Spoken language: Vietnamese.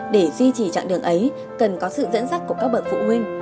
để duy trì trạng đường ấy cần có sự dẫn dắt của các bậc phụ huynh